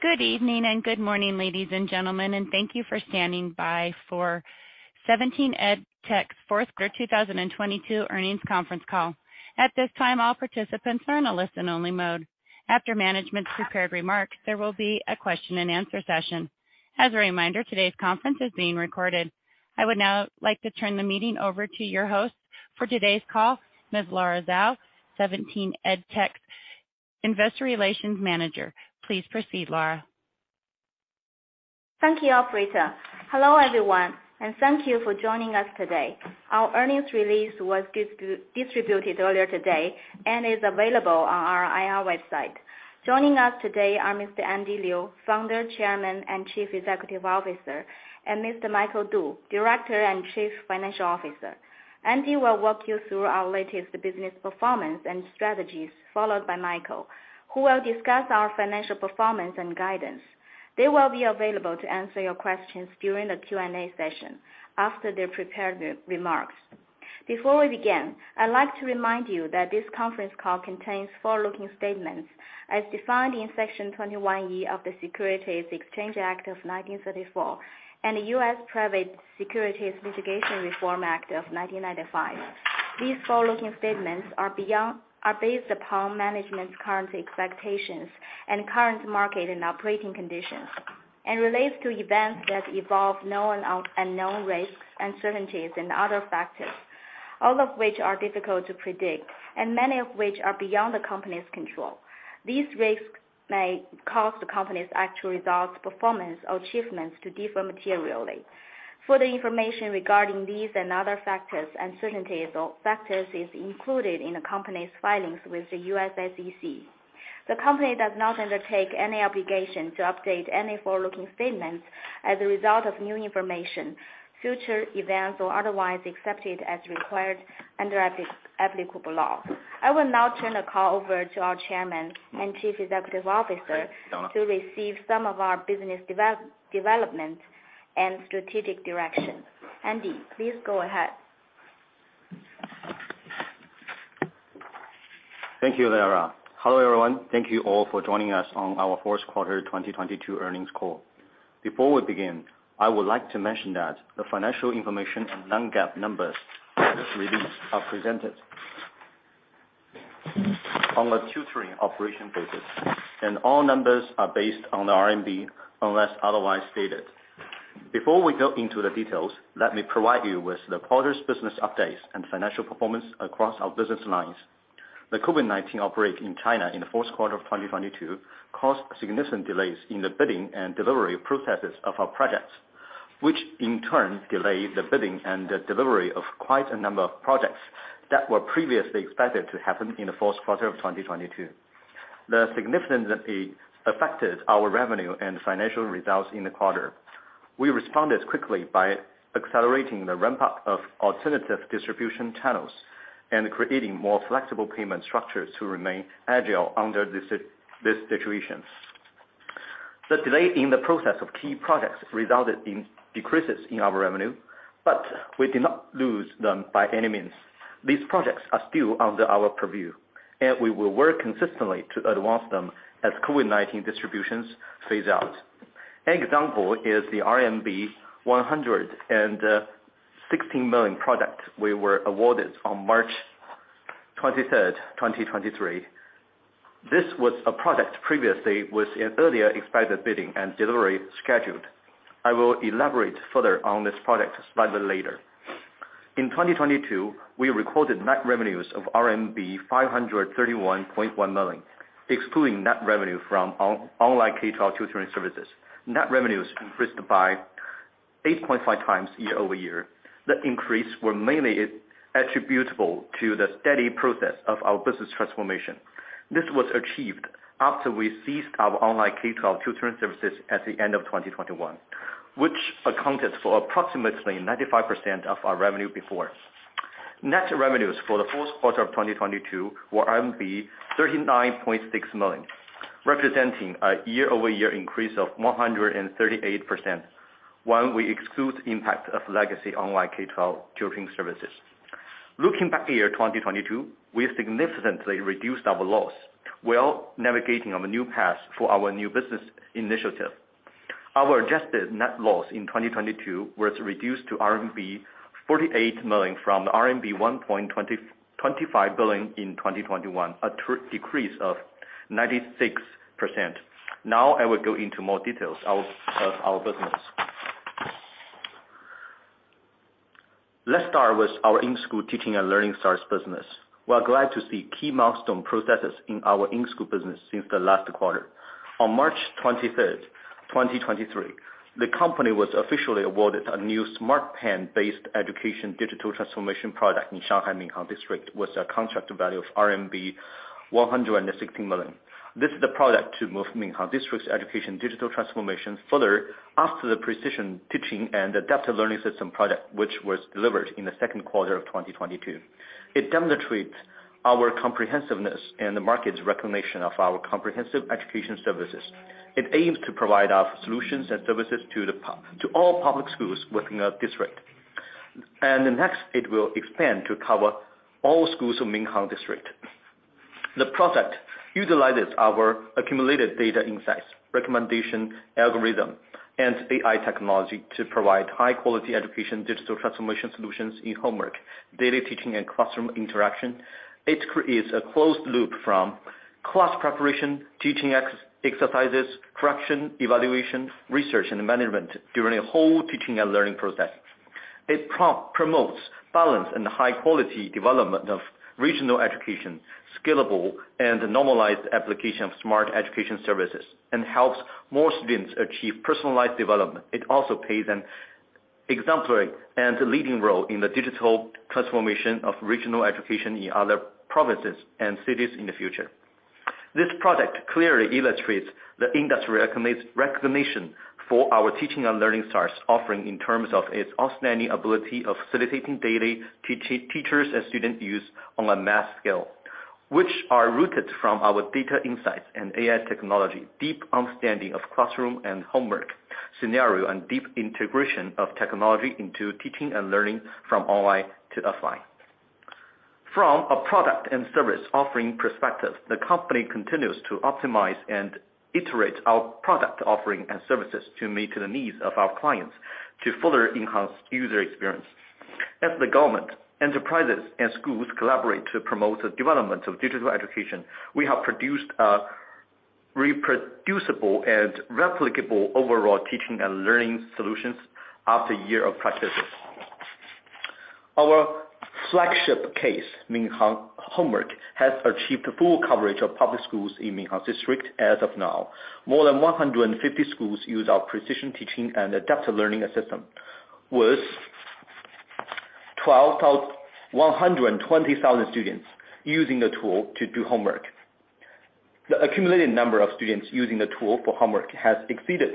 Good evening and good morning, ladies and gentlemen, thank you for standing by for 17EdTech fourth quarter 2022 earnings conference call. At this time, all participants are in a listen-only mode. After management's prepared remarks, there will be a question-and-answer session. As a reminder, today's conference is being recorded. I would now like to turn the meeting over to your host for today's call, Ms. Lara Zhao, 17EdTech's Investor Relations Manager. Please proceed, Lara. Thank you, operator. Hello, everyone, thank you for joining us today. Our earnings release was distributed earlier today and is available on our IR website. Joining us today are Mr. Andy Liu, Founder, Chairman, and Chief Executive Officer, and Mr. Michael Du, Director and Chief Financial Officer. Andy will walk you through our latest business performance and strategies, followed by Michael, who will discuss our financial performance and guidance. They will be available to answer your questions during the Q&A session after their prepared remarks. Before we begin, I'd like to remind you that this conference call contains forward-looking statements as defined in Section 21E of the Securities Exchange Act of 1934 and the U.S. Private Securities Litigation Reform Act of 1995. These forward-looking statements are beyond. Are based upon management's current expectations and current market and operating conditions and relates to events that involve known and unknown risks, uncertainties and other factors, all of which are difficult to predict and many of which are beyond the company's control. These risks may cause the company's actual results, performance or achievements to differ materially. Further information regarding these and other factors, uncertainties or factors is included in the company's filings with the U.S. SEC. The company does not undertake any obligation to update any forward-looking statements as a result of new information, future events or otherwise except as required under applicable law. I will now turn the call over to our Chairman and Chief Executive Officer to review some of our business development and strategic direction. Andy, please go ahead. Thank you, Lara. Hello, everyone. Thank you all for joining us on our fourth quarter 2022 earnings call. Before we begin, I would like to mention that the financial information and non-GAAP numbers in this release are presented on a tutoring operation basis and all numbers are based on the RMB unless otherwise stated. Before we go into the details, let me provide you with the quarter's business updates and financial performance across our business lines. The COVID-19 outbreak in China in the fourth quarter of 2022 caused significant delays in the bidding and delivery processes of our projects, which in turn delayed the bidding and the delivery of quite a number of projects that were previously expected to happen in the fourth quarter of 2022. The significance affected our revenue and financial results in the quarter. We responded quickly by accelerating the ramp-up of alternative distribution channels and creating more flexible payment structures to remain agile under this situation. The delay in the process of key projects resulted in decreases in our revenue, but we did not lose them by any means. These projects are still under our purview, and we will work consistently to advance them as COVID-19 distributions phase out. An example is the RMB 116 million product we were awarded on March 23, 2023. This was a product previously with an earlier expected bidding and delivery scheduled. I will elaborate further on this product slightly later. In 2022, we recorded net revenues of RMB 531.1 million, excluding net revenue from online K-12 tutoring services. Net revenues increased by 8.5x year-over-year. The increase were mainly attributable to the steady progress of our business transformation. This was achieved after we ceased our online K-12 tutoring services at the end of 2021, which accounted for approximately 95% of our revenue before. Net revenues for the fourth quarter of 2022 were 39.6 million, representing a year-over-year increase of 138% while we exclude impact of legacy online K-12 tutoring services. Looking back year 2022, we significantly reduced our loss while navigating on a new path for our new business initiative. Our adjusted net loss in 2022 was reduced to RMB 48 million from RMB 1.25 billion in 2021, a decrease of 96%. I will go into more details of our business. Let's start with our in-school teaching and learning service business. We're glad to see key milestone processes in our in-school business since the last quarter. On March 23rd, 2023, the company was officially awarded a new smart pen-based education digital transformation product in Shanghai, Minhang District, with a contract value of RMB 116 million. This is the product to move Minhang District's education digital transformation further after the precision teaching and adaptive learning system product, which was delivered in the second quarter of 2022. It demonstrates our comprehensiveness and the market's recognition of our comprehensive education services. It aims to provide our solutions and services to all public schools within the district. The next, it will expand to cover all schools of Minhang District. The project utilizes our accumulated data insights, recommendation algorithm, and AI technology to provide high-quality education, digital transformation solutions in homework, daily teaching, and classroom interaction. It creates a closed loop from class preparation, teaching exercises, correction, evaluation, research, and management during a whole teaching and learning process. It promotes balance and high quality development of regional education, scalable and normalized application of smart education services, and helps more students achieve personalized development. It also plays an exemplary and leading role in the digital transformation of regional education in other provinces and cities in the future. This project clearly illustrates the industry recognition for our teaching and learning stars offering in terms of its outstanding ability of facilitating daily teachers and student use on a mass scale, which are rooted from our data insights and AI technology, deep understanding of classroom and homework scenario, and deep integration of technology into teaching and learning from online to offline. From a product and service offering perspective, the company continues to optimize and iterate our product offering and services to meet the needs of our clients to further enhance user experience. As the government, enterprises and schools collaborate to promote the development of digital education, we have produced a reproducible and replicable overall teaching and learning solutions after year of practices. Our flagship case, Minhang Homework, has achieved full coverage of public schools in Minhang District as of now. More than 150 schools use our precision teaching and adaptive learning system, with 120,000 students using the tool to do homework. The accumulated number of students using the tool for homework has exceeded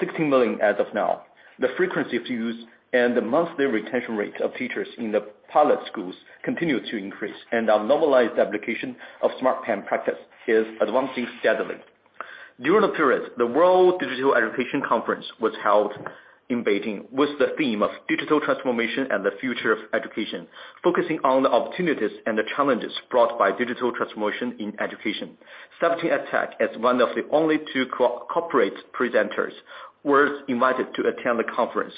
16 million as of now. The frequency of use and the monthly retention rate of teachers in the pilot schools continue to increase, and our normalized application of smart pen practice is advancing steadily. During the period, the World Digital Education Conference was held in Beijing with the theme of digital transformation and the future of education, focusing on the opportunities and the challenges brought by digital transformation in education. 17EdTech, as one of the only two co-corporate presenters, was invited to attend the conference.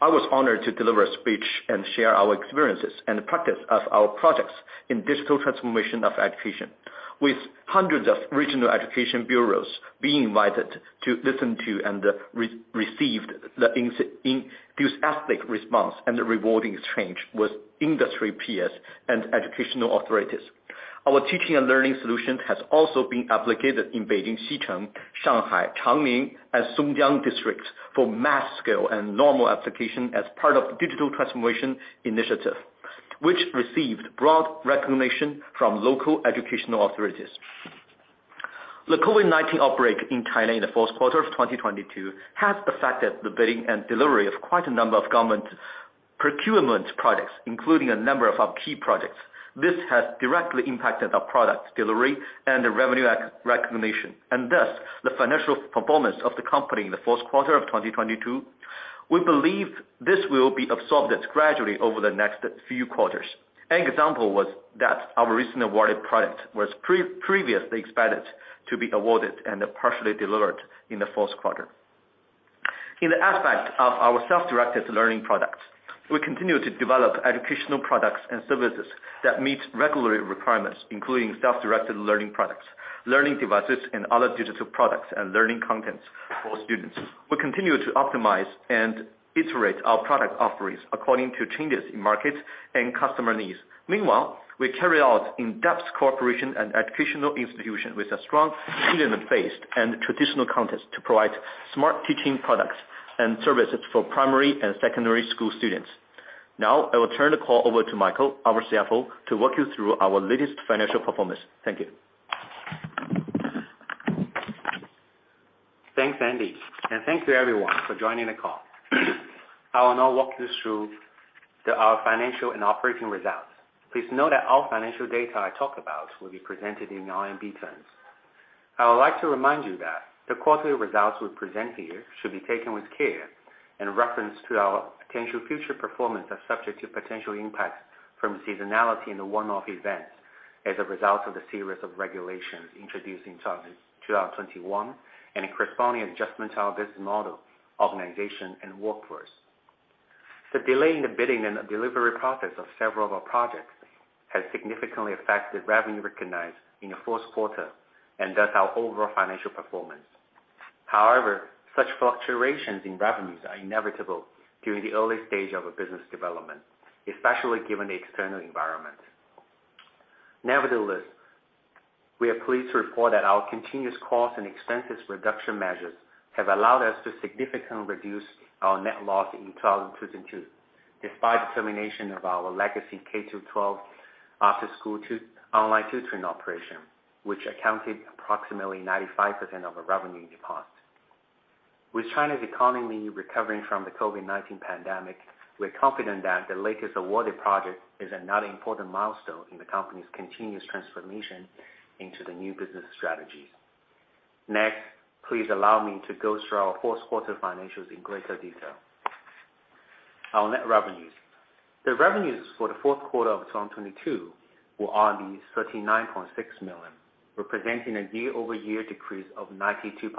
I was honored to deliver a speech and share our experiences and practice of our projects in digital transformation of education. With hundreds of regional education bureaus being invited to listen to and re-received the enthusiastic response and the rewarding exchange with industry peers and educational authorities. Our teaching and learning solution has also been applied in Beijing Xicheng, Shanghai, Changning and Songjiang District for mass scale and normal application as part of digital transformation initiative, which received broad recognition from local educational authorities. The COVID-19 outbreak in China in the fourth quarter of 2022 has affected the bidding and delivery of quite a number of government procurement projects, including a number of our key projects. This has directly impacted our product delivery and the revenue recognition, and thus the financial performance of the company in the fourth quarter of 2022. We believe this will be absorbed gradually over the next few quarters. An example was that our recent awarded product was previously expected to be awarded and partially delivered in the fourth quarter. In the aspect of our self-directed learning products, we continue to develop educational products and services that meet regulatory requirements, including self-directed learning products, learning devices and other digital products and learning contents for students. We continue to optimize and iterate our product offerings according to changes in markets and customer needs. Meanwhile, we carry out in-depth cooperation and educational institutions with a strong student base and traditional context to provide smart teaching products and services for primary and secondary school students. I will turn the call over to Michael, our CFO, to walk you through our latest financial performance. Thank you. Thanks, Andy. Thank you everyone for joining the call. I will now walk through our financial and operating results. Please note that all financial data I talk about will be presented in RMB terms. I would like to remind you that the quarterly results we present here should be taken with care in reference to our potential future performance as subject to potential impacts from seasonality in the one-off events as a result of the series of regulations introduced in 2021 and a corresponding adjustment to our business model, organization, and workforce. The delay in the bidding and delivery process of several of our projects has significantly affected revenue recognized in the fourth quarter and thus our overall financial performance. Such fluctuations in revenues are inevitable during the early stage of a business development, especially given the external environment. Nevertheless, we are pleased to report that our continuous cost and expenses reduction measures have allowed us to significantly reduce our net loss in 2022, despite the termination of our legacy K-12 after-school online tutoring operation, which accounted approximately 95% of our revenue decline. With China's economy recovering from the COVID-19 pandemic, we're confident that the latest awarded project is another important milestone in the company's continuous transformation into the new business strategy. Please allow me to go through our fourth quarter financials in greater detail. Our net revenues. The revenues for the fourth quarter of 2022 were 39.6 million, representing a year-over-year decrease of 92.7%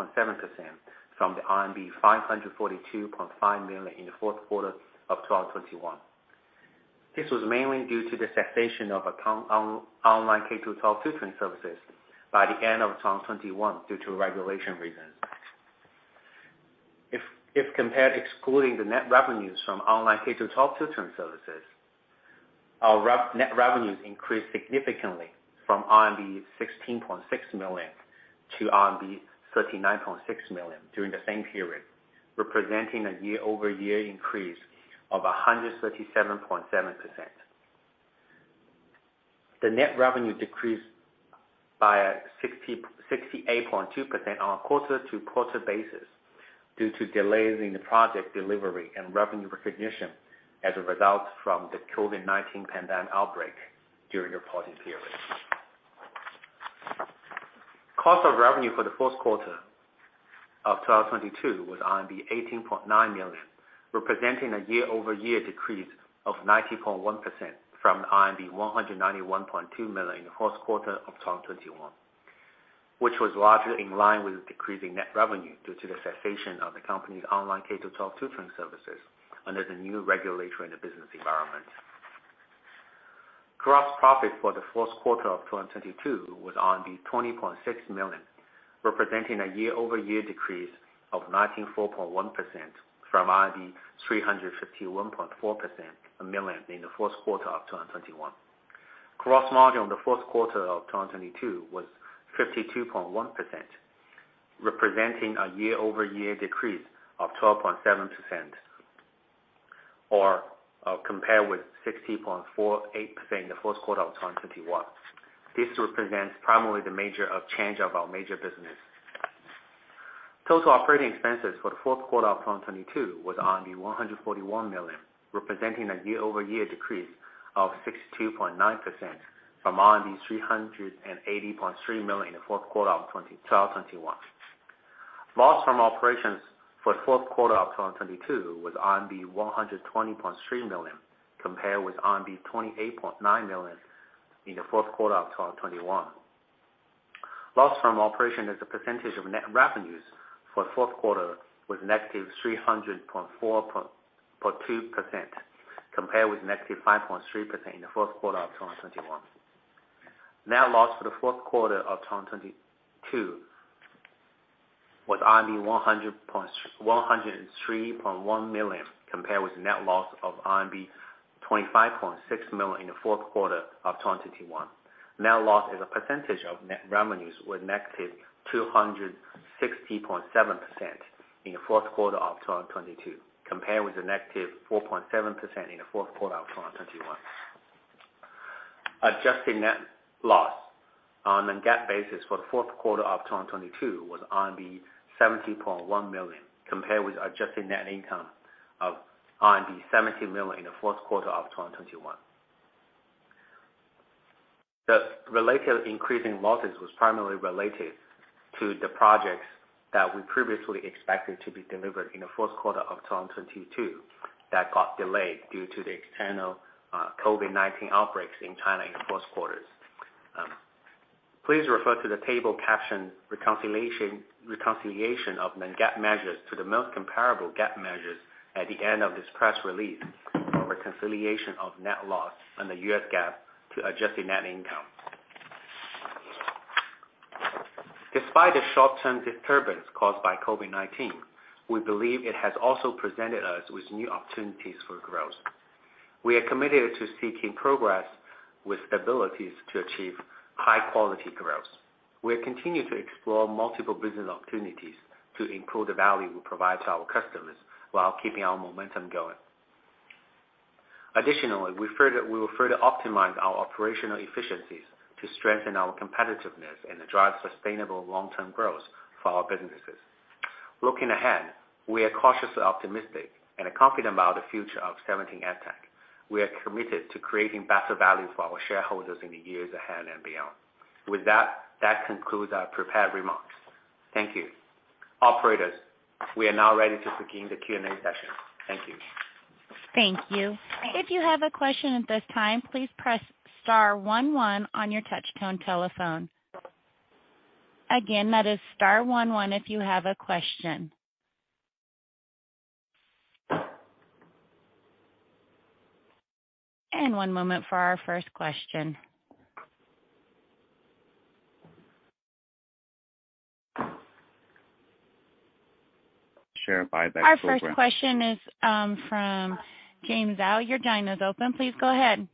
from the RMB 542.5 million in the fourth quarter of 2021. This was mainly due to the cessation of online K-12 tutoring services by the end of 2021 due to regulation reasons. If compared excluding the net revenues from online K-12 tutoring services, our net revenues increased significantly from RMB 16.6 million to RMB 39.6 million during the same period, representing a year-over-year increase of 137.7%. The net revenue decreased by 66.2% on a quarter-to-quarter basis due to delays in the project delivery and revenue recognition as a result from the COVID-19 pandemic outbreak during the reporting period. Cost of revenue for the fourth quarter of 2022 was 18.9 million, representing a year-over-year decrease of 90.1% from the 191.2 million in the fourth quarter of 2021, which was largely in line with the decrease in net revenue due to the cessation of the company's online K-12 tutoring services under the new regulatory and the business environment. Gross profit for the fourth quarter of 2022 was 20.6 million, representing a year-over-year decrease of 94.1% from 351.4 million in the fourth quarter of 2021. Gross margin in the fourth quarter of 2022 was 52.1%, representing a year-over-year decrease of 12.7%, or compared with 60.48% in the fourth quarter of 2021. This represents primarily the major of change of our major business. Total operating expenses for the fourth quarter of 2022 was RMB 141 million, representing a year-over-year decrease of 62.9% from 380.3 million in the fourth quarter of 2021. Loss from operations for the fourth quarter of 2022 was RMB 120.3 million, compared with RMB 28.9 million in the fourth quarter of 2021. Loss from operation as a percentage of net revenues for the fourth quarter was negative 300.2% compared with negative 5.3% in the fourth quarter of 2021. Net loss for the fourth quarter of 2022 was 103.1 million, compared with net loss of 25.6 million in the fourth quarter of 2021. Net loss as a percentage of net revenues were negative 260.7% in the fourth quarter of 2022, compared with the negative 4.7% in the fourth quarter of 2021. Adjusted net loss on a non-GAAP basis for the fourth quarter of 2022 was RMB 70.1 million, compared with adjusted net income of RMB 70 million in the fourth quarter of 2021. The related increase in losses was primarily related to the projects that we previously expected to be delivered in the fourth quarter of 2022 that got delayed due to the external COVID-19 outbreaks in China in the fourth quarters. Please refer to the table captioned Reconciliation of non-GAAP measures to the most comparable GAAP measures at the end of this press release for reconciliation of net loss on the U.S. GAAP to adjusted net income. Despite the short-term disturbance caused by COVID-19, we believe it has also presented us with new opportunities for growth. We are committed to seeking progress with abilities to achieve high quality growth. We are continuing to explore multiple business opportunities to improve the value we provide to our customers while keeping our momentum going. Additionally, we will further optimize our operational efficiencies to strengthen our competitiveness and drive sustainable long-term growth for our businesses. Looking ahead, we are cautiously optimistic and confident about the future of 17EdTech. We are committed to creating better value for our shareholders in the years ahead and beyond. With that concludes our prepared remarks. Thank you. Operators, we are now ready to begin the Q&A session. Thank you. Thank you. If you have a question at this time, please press star one one on your touch-tone telephone. Again, that is star one one if you have a question. One moment for our first question. Share buyback program. Our first question is from James Zhao. Your line is open. Please go ahead.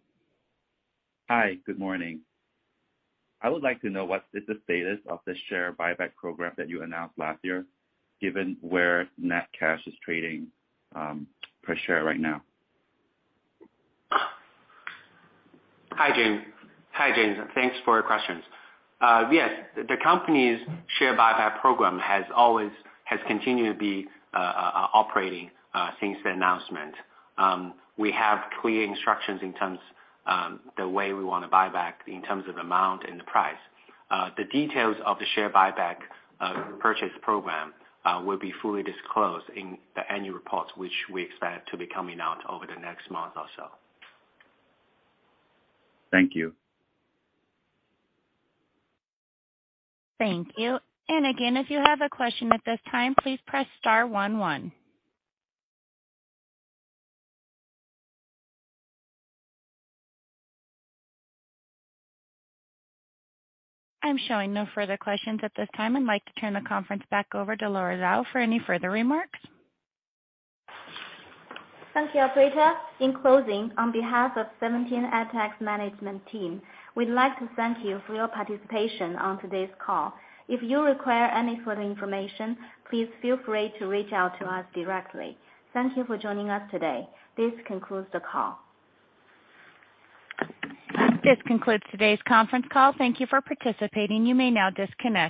Hi. Good morning. I would like to know what is the status of the share buyback program that you announced last year, given where net cash is trading, per share right now. Hi, James. Thanks for your questions. Yes, the company's share buyback program has always continued to be operating since the announcement. We have clear instructions in terms the way we wanna buy back in terms of amount and the price. The details of the share buyback purchase program will be fully disclosed in the annual report, which we expect to be coming out over the next month or so. Thank you. Thank you. Again, if you have a question at this time, please press star one one. I'm showing no further questions at this time. I'd like to turn the conference back over to Lara Zhao for any further remarks. Thank you, operator. In closing, on behalf of 17EdTech's management team, we'd like to thank you for your participation on today's call. If you require any further information, please feel free to reach out to us directly. Thank you for joining us today. This concludes the call. This concludes today's conference call. Thank you for participating. You may now disconnect.